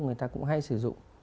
người ta cũng hay sử dụng